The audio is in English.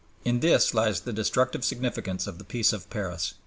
In this lies the destructive significance of the Peace of Paris.